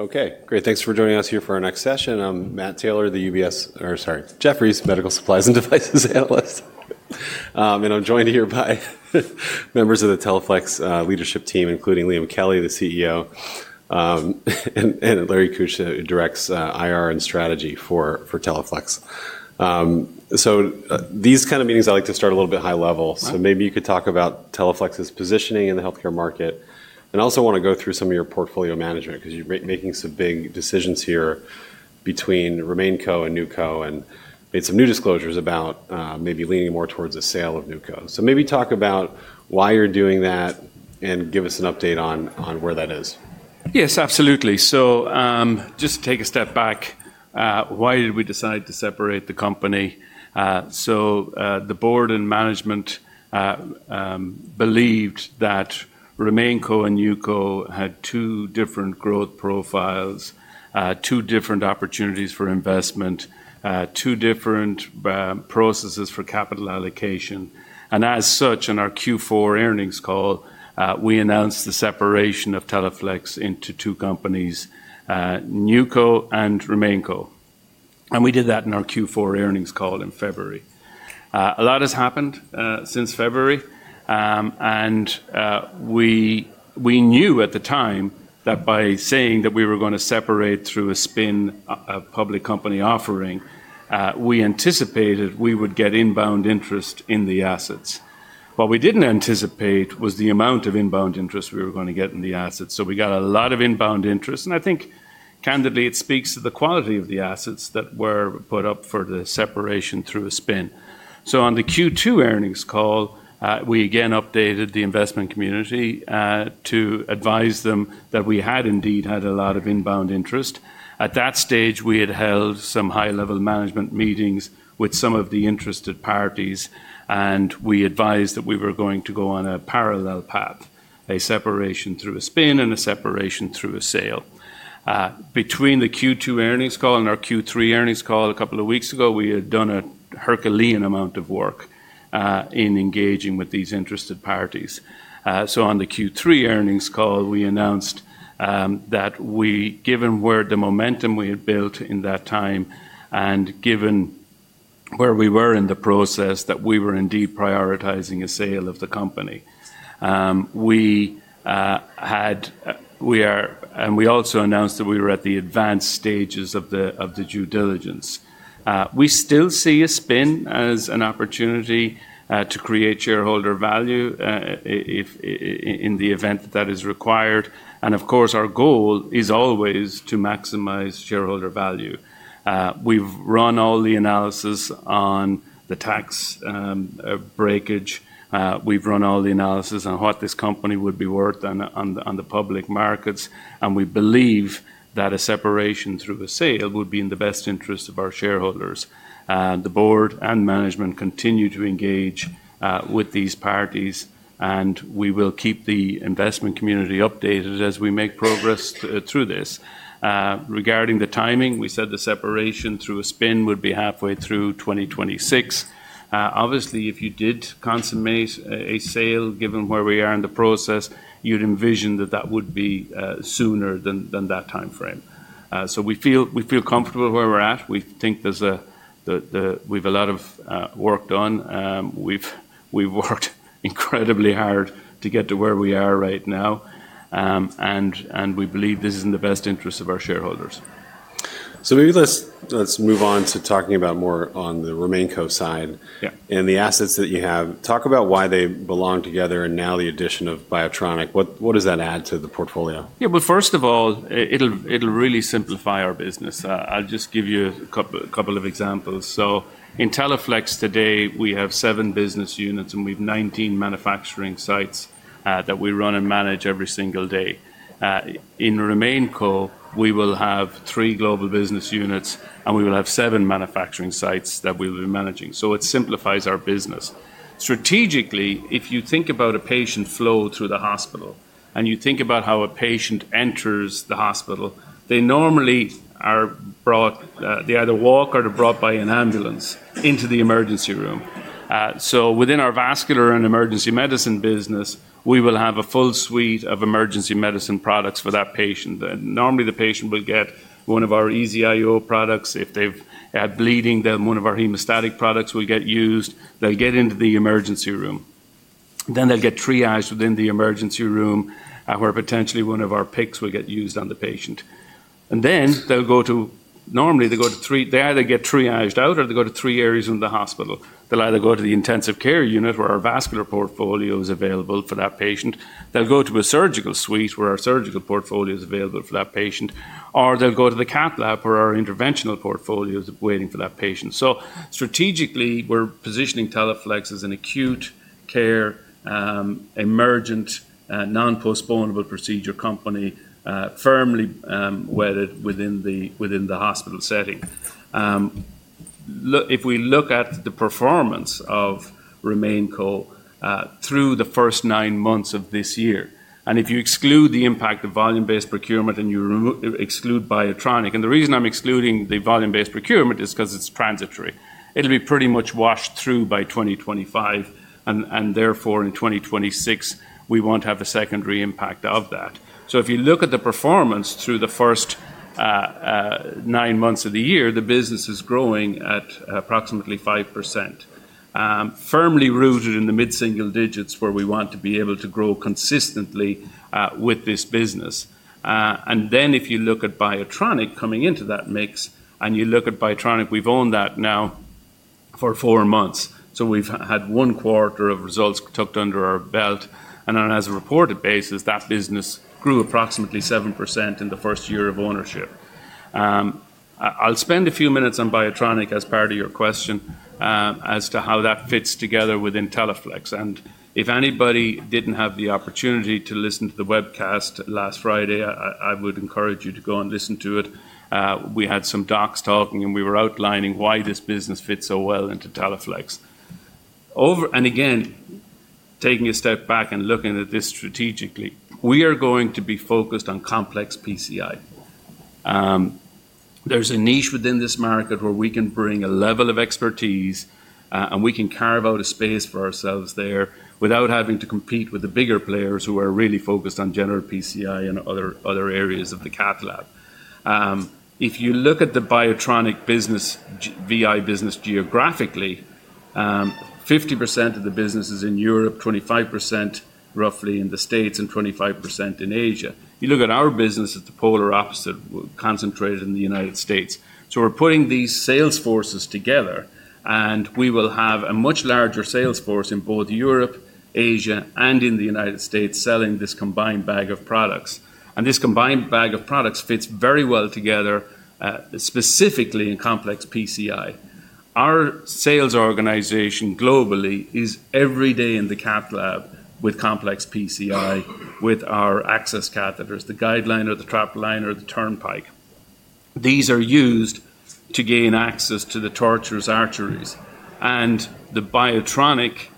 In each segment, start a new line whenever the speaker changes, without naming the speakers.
Okay, great. Thanks for joining us here for our next session. I'm Matt Taylor, the Jefferies Medical Supplies and Devices analyst. I'm joined here by members of the Teleflex leadership team, including Liam Kelly, the CEO, and Larry Keusch, who directs IR and strategy for Teleflex. These kind of meetings, I like to start a little bit high level. Maybe you could talk about Teleflex's positioning in the healthcare market. I also want to go through some of your portfolio management because you're making some big decisions here between RemainCo and NewCo and made some new disclosures about maybe leaning more towards the sale of NewCo. Maybe talk about why you're doing that and give us an update on where that is.
Yes, absolutely. Just to take a step back, why did we decide to separate the company? The board and management believed that RemainCo and NewCo had two different growth profiles, two different opportunities for investment, two different processes for capital allocation. As such, in our Q4 earnings call, we announced the separation of Teleflex into two companies, NewCo and RemainCo. We did that in our Q4 earnings call in February. A lot has happened since February. We knew at the time that by saying that we were going to separate through a spin public company offering, we anticipated we would get inbound interest in the assets. What we did not anticipate was the amount of inbound interest we were going to get in the assets. We got a lot of inbound interest. I think, candidly, it speaks to the quality of the assets that were put up for the separation through a spin. On the Q2 earnings call, we again updated the investment community to advise them that we had indeed had a lot of inbound interest. At that stage, we had held some high-level management meetings with some of the interested parties. We advised that we were going to go on a parallel path, a separation through a spin and a separation through a sale. Between the Q2 earnings call and our Q3 earnings call a couple of weeks ago, we had done a Herculean amount of work in engaging with these interested parties. On the Q3 earnings call, we announced that we, given where the momentum we had built in that time and given where we were in the process, that we were indeed prioritizing a sale of the company. We had, and we also announced that we were at the advanced stages of the due diligence. We still see a spin as an opportunity to create shareholder value in the event that that is required. Of course, our goal is always to maximize shareholder value. We have run all the analysis on the tax breakage. We have run all the analysis on what this company would be worth on the public markets. We believe that a separation through a sale would be in the best interest of our shareholders. The board and management continue to engage with these parties. We will keep the investment community updated as we make progress through this. Regarding the timing, we said the separation through a spin would be halfway through 2026. Obviously, if you did consummate a sale, given where we are in the process, you'd envision that that would be sooner than that time frame. We feel comfortable where we're at. We think there's a—we've a lot of work done. We've worked incredibly hard to get to where we are right now. We believe this is in the best interest of our shareholders.
Maybe let's move on to talking about more on the RemainCo side and the assets that you have. Talk about why they belong together and now the addition of BIOTRONIK. What does that add to the portfolio?
Yeah, first of all, it'll really simplify our business. I'll just give you a couple of examples. In Teleflex today, we have seven business units and we have 19 manufacturing sites that we run and manage every single day. In RemainCo, we will have three global business units and we will have seven manufacturing sites that we will be managing. It simplifies our business. Strategically, if you think about a patient flow through the hospital and you think about how a patient enters the hospital, they normally are brought—they either walk or they're brought by an ambulance into the emergency room. Within our vascular and emergency medicine business, we will have a full suite of emergency medicine products for that patient. Normally, the patient will get one of our EZ-IO products. If they've had bleeding, then one of our hemostatic products will get used. They'll get into the emergency room. Then they'll get triaged within the emergency room where potentially one of our PICCs will get used on the patient. They go to—normally, they go to three—they either get triaged out or they go to three areas in the hospital. They'll either go to the intensive care unit where our vascular portfolio is available for that patient. They'll go to a surgical suite where our surgical portfolio is available for that patient. Or they'll go to the cath lab where our interventional portfolio is waiting for that patient. Strategically, we're positioning Teleflex as an acute care, emergent, non-postponable procedure company firmly wedded within the hospital setting. If we look at the performance of RemainCo through the first nine months of this year, and if you exclude the impact of volume-based procurement and you exclude BIOTRONIK—and the reason I'm excluding the volume-based procurement is because it's transitory—it'll be pretty much washed through by 2025. In 2026, we won't have a secondary impact of that. If you look at the performance through the first nine months of the year, the business is growing at approximately 5%. Firmly rooted in the mid-single digits where we want to be able to grow consistently with this business. If you look at BIOTRONIK coming into that mix and you look at BIOTRONIK, we've owned that now for four months. We've had one quarter of results tucked under our belt. On an as-reported basis, that business grew approximately 7% in the first year of ownership. I'll spend a few minutes on BIOTRONIK as part of your question as to how that fits together within Teleflex. If anybody didn't have the opportunity to listen to the webcast last Friday, I would encourage you to go and listen to it. We had some docs talking and we were outlining why this business fits so well into Teleflex. Again, taking a step back and looking at this strategically, we are going to be focused on complex PCI. There's a niche within this market where we can bring a level of expertise and we can carve out a space for ourselves there without having to compete with the bigger players who are really focused on general PCI and other areas of the cath lab. If you look at the BIOTRONIK VI business geographically, 50% of the business is in Europe, 25% roughly in the States, and 25% in Asia. If you look at our business, it's the polar opposite, concentrated in the United States. We are putting these sales forces together and we will have a much larger sales force in Europe, Asia, and in the United States selling this combined bag of products. This combined bag of products fits very well together, specifically in complex PCI. Our sales organization globally is every day in the cath lab with complex PCI, with our access catheters, the GuideLiner, the TrapLiner, or the Turnpike. These are used to gain access to the tortuous arteries. The BIOTRONIK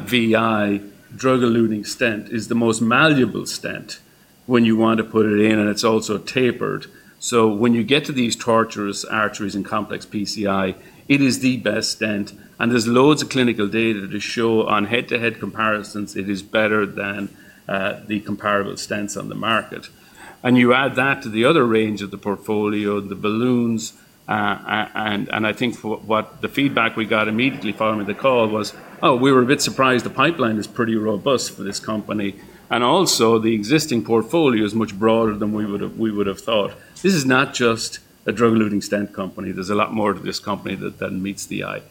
VI drug-eluting stent is the most malleable stent when you want to put it in, and it's also tapered. When you get to these tortuous arteries in complex PCI, it is the best stent. There is loads of clinical data to show on head-to-head comparisons, it is better than the comparable stents on the market. You add that to the other range of the portfolio, the balloons. I think what the feedback we got immediately following the call was, "Oh, we were a bit surprised the pipeline is pretty robust for this company." Also, the existing portfolio is much broader than we would have thought. This is not just a drug-eluting stent company. There is a lot more to this company than meets the eye.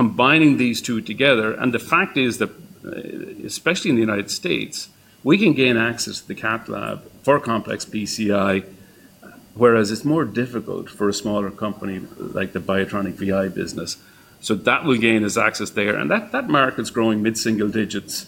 Combining these two together, and the fact is that, especially in the United States, we can gain access to the cath lab for complex PCI, whereas it is more difficult for a smaller company like the BIOTRONIK VI business. That will gain us access there. That market's growing mid-single digits.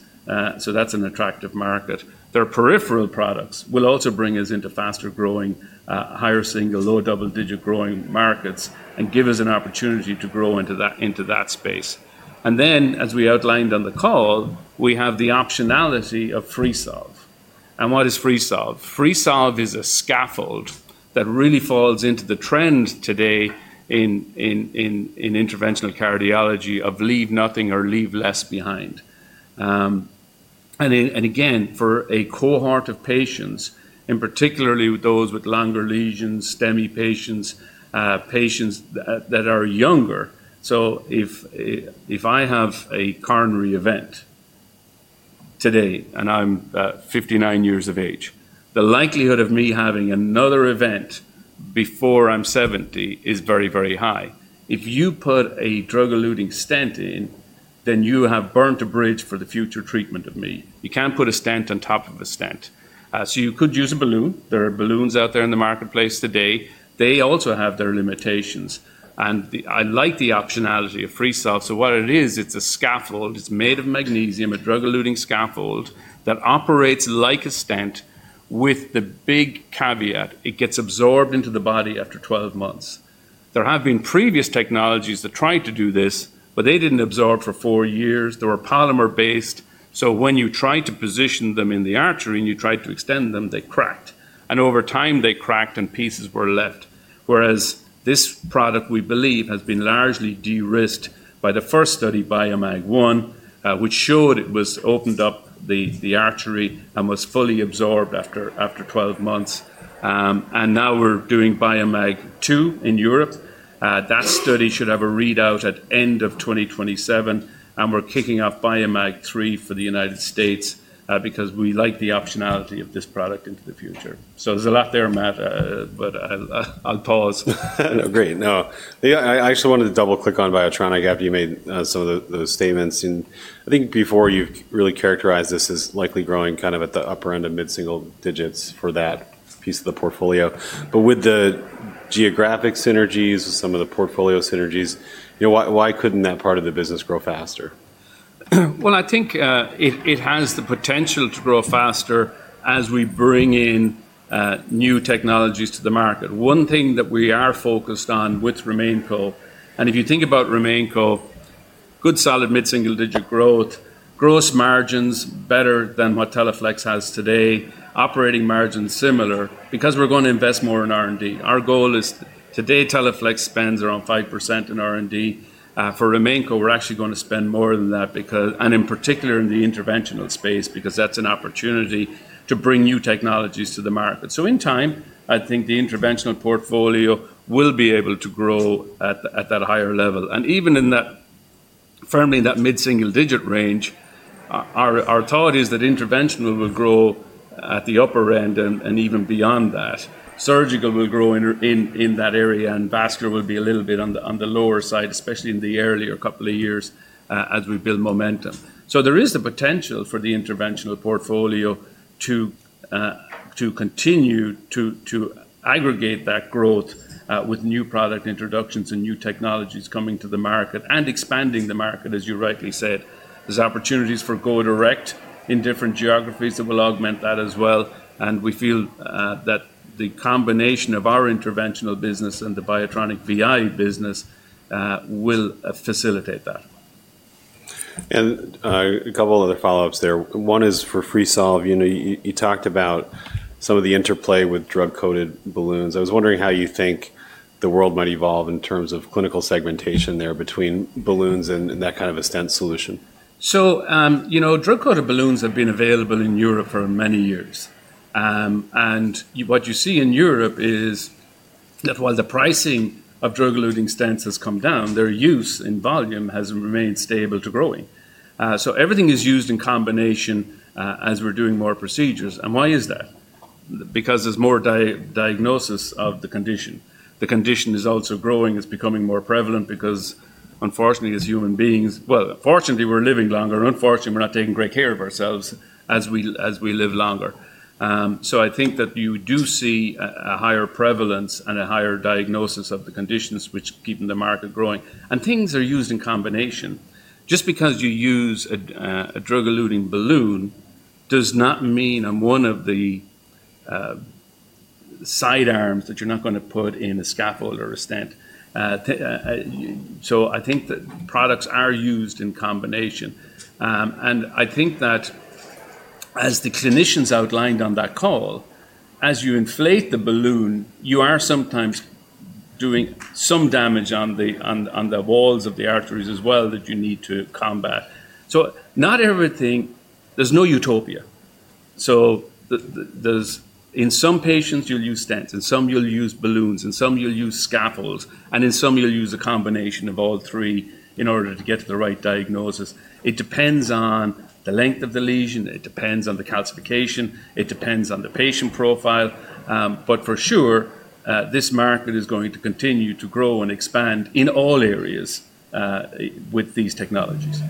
That's an attractive market. Their peripheral products will also bring us into faster growing, higher single, low double-digit growing markets and give us an opportunity to grow into that space. As we outlined on the call, we have the optionality of Freesolve. What is Freesolve? Freesolve is a scaffold that really falls into the trend today in interventional cardiology of leave nothing or leave less behind. Again, for a cohort of patients, and particularly those with longer lesions, STEMI patients, patients that are younger. If I have a coronary event today and I'm 59 years of age, the likelihood of me having another event before I'm 70 is very, very high. If you put a drug-eluting stent in, then you have burnt a bridge for the future treatment of me. You can't put a stent on top of a stent. You could use a balloon. There are balloons out there in the marketplace today. They also have their limitations. I like the optionality of Freesolve. What it is, it's a scaffold. It's made of magnesium, a drug-eluting scaffold that operates like a stent with the big caveat. It gets absorbed into the body after 12 months. There have been previous technologies that tried to do this, but they didn't absorb for four years. They were polymer-based. When you tried to position them in the artery and you tried to extend them, they cracked. Over time, they cracked and pieces were left. Whereas this product, we believe, has been largely de-risked by the first study, BIOMAG-I, which showed it was opened up the artery and was fully absorbed after 12 months. We are doing BIOMAG-II in Europe. That study should have a readout at the end of 2027. We are kicking off BIOMAG-III for the United States because we like the optionality of this product into the future. There is a lot there, Matt, but I'll pause.
No, great. No, I actually wanted to double-click on BIOTRONIK after you made some of the statements. I think before you have really characterized this as likely growing kind of at the upper end of mid-single digits for that piece of the portfolio. With the geographic synergies, some of the portfolio synergies, why could not that part of the business grow faster?
I think it has the potential to grow faster as we bring in new technologies to the market. One thing that we are focused on with RemainCo, and if you think about RemainCo, good solid mid-single digit growth, gross margins better than what Teleflex has today, operating margins similar because we're going to invest more in R&D. Our goal is today Teleflex spends around 5% in R&D. For RemainCo, we're actually going to spend more than that, and in particular in the interventional space because that's an opportunity to bring new technologies to the market. In time, I think the interventional portfolio will be able to grow at that higher level. Even firmly in that mid-single digit range, our thought is that interventional will grow at the upper end and even beyond that. Surgical will grow in that area, and vascular will be a little bit on the lower side, especially in the earlier couple of years as we build momentum. There is the potential for the interventional portfolio to continue to aggregate that growth with new product introductions and new technologies coming to the market and expanding the market, as you rightly said. There are opportunities for Go Direct in different geographies that will augment that as well. We feel that the combination of our interventional business and the BIOTRONIK VI business will facilitate that.
A couple of other follow-ups there. One is for Freesolve. You talked about some of the interplay with drug-coated balloons. I was wondering how you think the world might evolve in terms of clinical segmentation there between balloons and that kind of a stent solution.
Drug-coated balloons have been available in Europe for many years. What you see in Europe is that while the pricing of drug-eluting stents has come down, their use in volume has remained stable to growing. Everything is used in combination as we're doing more procedures. Why is that? There is more diagnosis of the condition. The condition is also growing. It's becoming more prevalent because, unfortunately, as human beings, fortunately, we're living longer. Unfortunately, we're not taking great care of ourselves as we live longer. I think that you do see a higher prevalence and a higher diagnosis of the conditions which keep the market growing. Things are used in combination. Just because you use a drug-eluting balloon does not mean one of the side arms that you're not going to put in a scaffold or a stent. I think that products are used in combination. I think that as the clinicians outlined on that call, as you inflate the balloon, you are sometimes doing some damage on the walls of the arteries as well that you need to combat. Not everything—there is no utopia. In some patients, you'll use stents. In some, you'll use balloons. In some, you'll use scaffolds. In some, you'll use a combination of all three in order to get to the right diagnosis. It depends on the length of the lesion. It depends on the calcification. It depends on the patient profile. For sure, this market is going to continue to grow and expand in all areas with these technologies.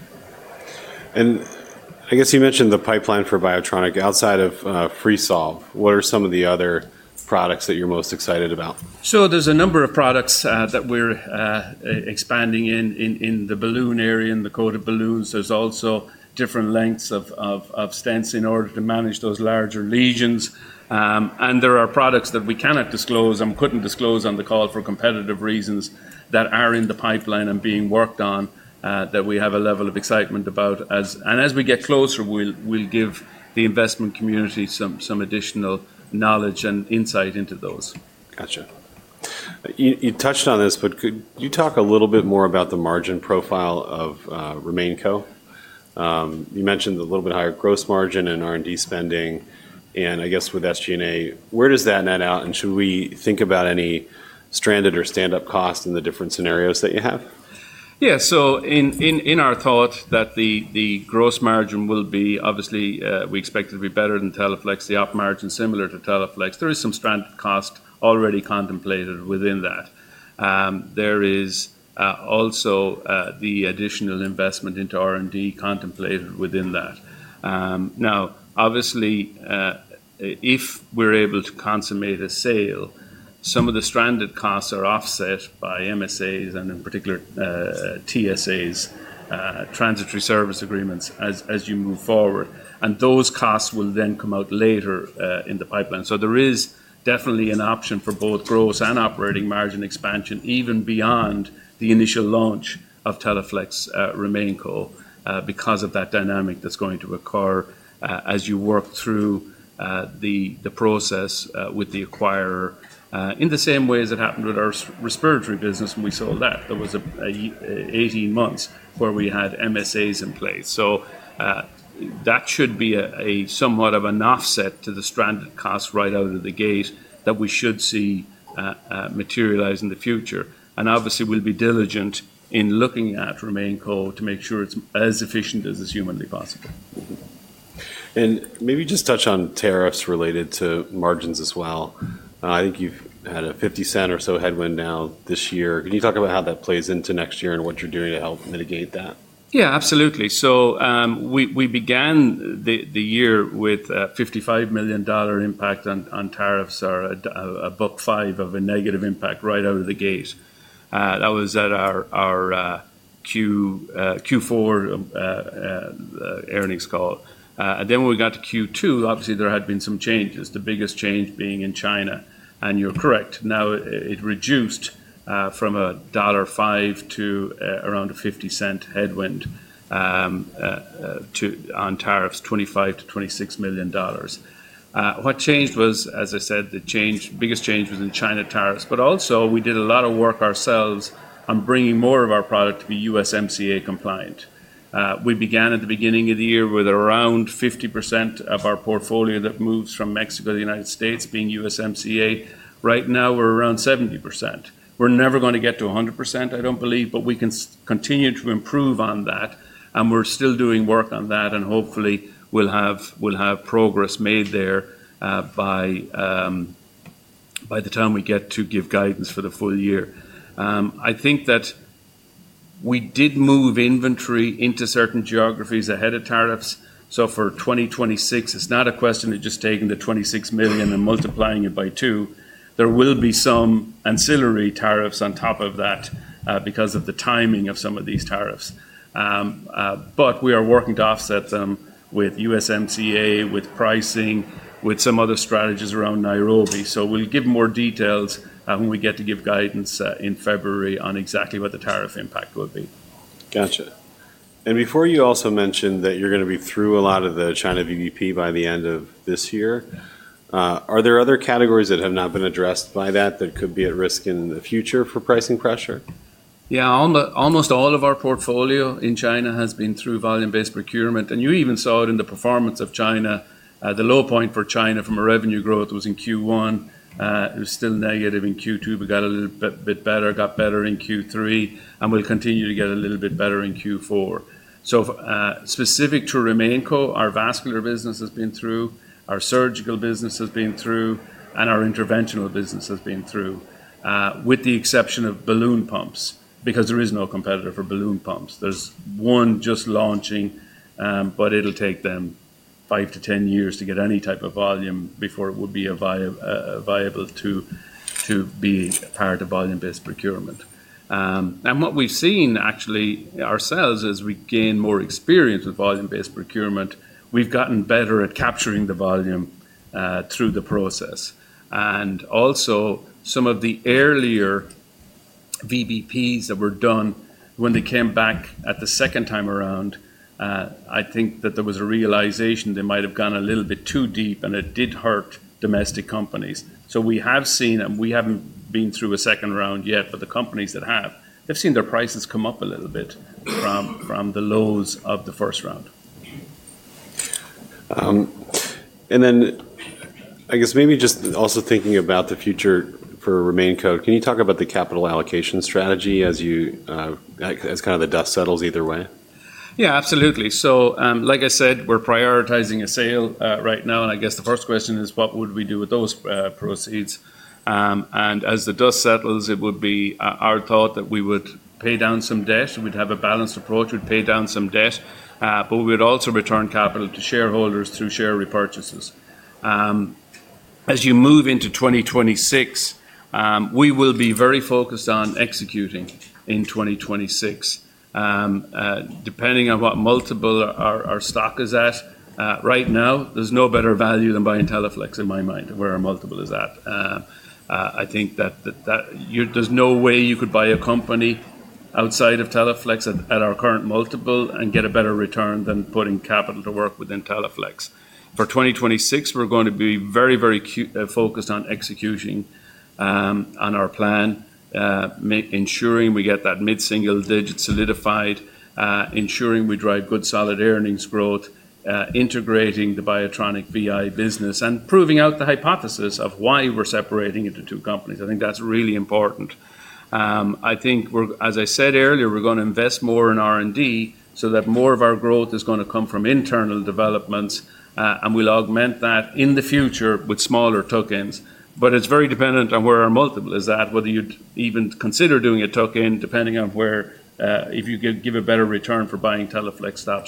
I guess you mentioned the pipeline for BIOTRONIK. Outside of Freesolve, what are some of the other products that you're most excited about?
There is a number of products that we are expanding in the balloon area, in the coated balloons. There are also different lengths of stents in order to manage those larger lesions. There are products that we cannot disclose and could not disclose on the call for competitive reasons that are in the pipeline and being worked on that we have a level of excitement about. As we get closer, we will give the investment community some additional knowledge and insight into those.
Gotcha. You touched on this, but could you talk a little bit more about the margin profile of RemainCo? You mentioned a little bit higher gross margin and R&D spending. I guess with SG&A, where does that net out? Should we think about any stranded or stand-up costs in the different scenarios that you have?
Yeah. So in our thought that the gross margin will be obviously, we expect it to be better than Teleflex, the op margin similar to Teleflex. There is some stranded cost already contemplated within that. There is also the additional investment into R&D contemplated within that. Now, obviously, if we're able to consummate a sale, some of the stranded costs are offset by MSAs and in particular TSAs, transitional service agreements as you move forward. Those costs will then come out later in the pipeline. There is definitely an option for both gross and operating margin expansion even beyond the initial launch of Teleflex RemainCo because of that dynamic that's going to occur as you work through the process with the acquirer in the same way as it happened with our respiratory business when we sold that. There was 18 months where we had MSAs in place. That should be somewhat of an offset to the stranded cost right out of the gate that we should see materialize in the future. Obviously, we'll be diligent in looking at RemainCo to make sure it's as efficient as is humanly possible.
Maybe just touch on tariffs related to margins as well. I think you've had a $0.50 or so headwind now this year. Can you talk about how that plays into next year and what you're doing to help mitigate that?
Yeah, absolutely. We began the year with a $55 million impact on tariffs, a buck five of a negative impact right out of the gate. That was at our Q4 earnings call. When we got to Q2, obviously, there had been some changes, the biggest change being in China. You're correct. Now it reduced from $5 to around a $50 cent headwind on tariffs, $25 million-$26 million. What changed was, as I said, the biggest change was in China tariffs. Also, we did a lot of work ourselves on bringing more of our product to be USMCA compliant. We began at the beginning of the year with around 50% of our portfolio that moves from Mexico to the United States being USMCA. Right now, we're around 70%. We're never going to get to 100%, I don't believe, but we can continue to improve on that. We're still doing work on that. Hopefully, we'll have progress made there by the time we get to give guidance for the full year. I think that we did move inventory into certain geographies ahead of tariffs. For 2026, it's not a question of just taking the $26 million and multiplying it by two. There will be some ancillary tariffs on top of that because of the timing of some of these tariffs. We are working to offset them with USMCA, with pricing, with some other strategies around Nairobi. We'll give more details when we get to give guidance in February on exactly what the tariff impact will be.
Gotcha. Before, you also mentioned that you're going to be through a lot of the China VBP by the end of this year. Are there other categories that have not been addressed by that that could be at risk in the future for pricing pressure?
Yeah, almost all of our portfolio in China has been through volume-based procurement. You even saw it in the performance of China. The low point for China from a revenue growth was in Q1. It was still negative in Q2, but got a little bit better, got better in Q3, and will continue to get a little bit better in Q4. Specific to RemainCo, our vascular business has been through, our surgical business has been through, and our interventional business has been through, with the exception of balloon pumps because there is no competitor for balloon pumps. There is one just launching, but it will take them five to 10 years to get any type of volume before it would be viable to be part of volume-based procurement. What we have seen actually ourselves as we gain more experience with volume-based procurement, we have gotten better at capturing the volume through the process. Also, some of the earlier VBP's that were done, when they came back the second time around, I think that there was a realization they might have gone a little bit too deep, and it did hurt domestic companies. We have seen, and we have not been through a second round yet, but the companies that have, they have seen their prices come up a little bit from the lows of the first round.
I guess maybe just also thinking about the future for RemainCo, can you talk about the capital allocation strategy as kind of the dust settles either way?
Yeah, absolutely. Like I said, we're prioritizing a sale right now. I guess the first question is, what would we do with those proceeds? As the dust settles, it would be our thought that we would pay down some debt. We'd have a balanced approach. We'd pay down some debt, but we would also return capital to shareholders through share repurchases. As you move into 2026, we will be very focused on executing in 2026. Depending on what multiple our stock is at right now, there's no better value than buying Teleflex in my mind, where our multiple is at. I think that there's no way you could buy a company outside of Teleflex at our current multiple and get a better return than putting capital to work within Teleflex. For 2026, we're going to be very, very focused on execution on our plan, ensuring we get that mid-single digit solidified, ensuring we drive good solid earnings growth, integrating the BIOTRONIK VI business, and proving out the hypothesis of why we're separating into two companies. I think that's really important. I think, as I said earlier, we're going to invest more in R&D so that more of our growth is going to come from internal developments. We'll augment that in the future with smaller tokens. It is very dependent on where our multiple is at, whether you'd even consider doing a token depending on if you give a better return for buying Teleflex stock.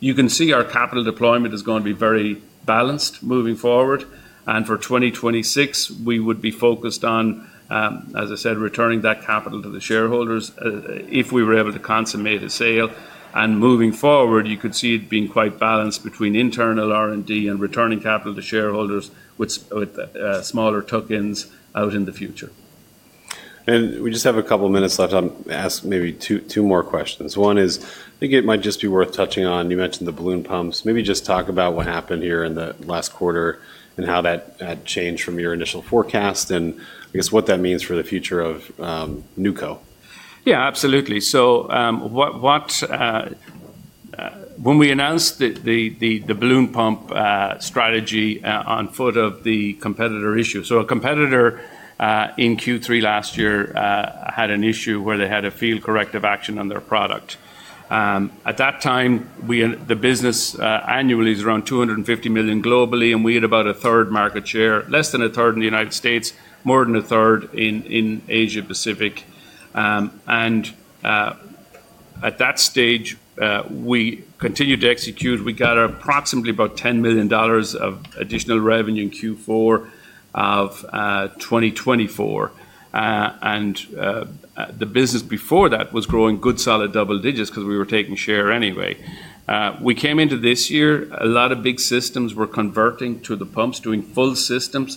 You can see our capital deployment is going to be very balanced moving forward. For 2026, we would be focused on, as I said, returning that capital to the shareholders if we were able to consummate a sale. Moving forward, you could see it being quite balanced between internal R&D and returning capital to shareholders with smaller tokens out in the future.
We just have a couple of minutes left. I'll ask maybe two more questions. One is, I think it might just be worth touching on. You mentioned the balloon pumps. Maybe just talk about what happened here in the last quarter and how that changed from your initial forecast and I guess what that means for the future of NewCo.
Yeah, absolutely. When we announced the balloon pump strategy on foot of the competitor issue, a competitor in Q3 last year had an issue where they had a field corrective action on their product. At that time, the business annually is around $250 million globally, and we had about 1/3 market share, less than a third in the U.S., more than 1/3 in Asia-Pacific. At that stage, we continued to execute. We got approximately $10 million of additional revenue in Q4 of 2024. The business before that was growing good solid double digits because we were taking share anyway. We came into this year. A lot of big systems were converting to the pumps, doing full systems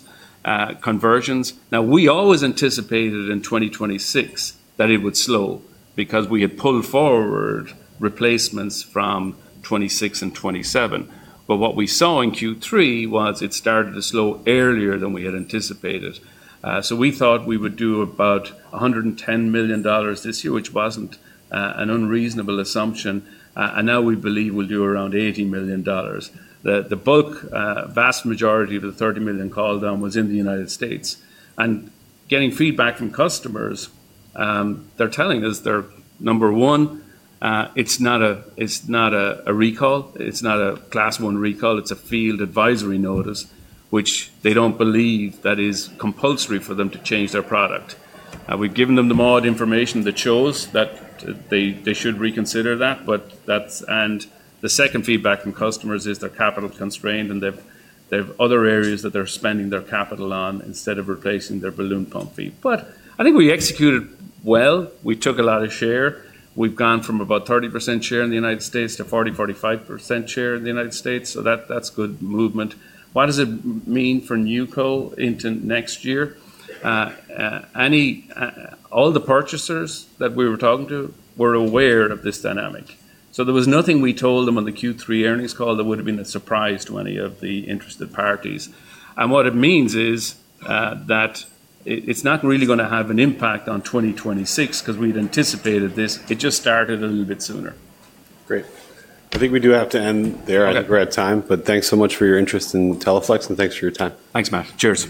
conversions. We always anticipated in 2026 that it would slow because we had pulled forward replacements from 2026 and 2027. What we saw in Q3 was it started to slow earlier than we had anticipated. We thought we would do about $110 million this year, which was not an unreasonable assumption. Now we believe we will do around $80 million. The bulk, vast majority of the $30 million call down was in the United States. Getting feedback from customers, they are telling us, number one, it is not a recall. It is not a class one recall. It is a field advisory notice, which they do not believe is compulsory for them to change their product. We have given them the mod information that shows that they should reconsider that. The second feedback from customers is they are capital constrained, and they have other areas that they are spending their capital on instead of replacing their balloon pump fee. I think we executed well. We took a lot of share. We've gone from about 30% share in the United States to 40%-45% share in the United States. That's good movement. What does it mean for NewCo into next year? All the purchasers that we were talking to were aware of this dynamic. There was nothing we told them on the Q3 earnings call that would have been a surprise to any of the interested parties. What it means is that it's not really going to have an impact on 2026 because we'd anticipated this. It just started a little bit sooner.
Great. I think we do have to end there. I think we're at time. Thanks so much for your interest in Teleflex, and thanks for your time.
Thanks, Matt.
Cheers.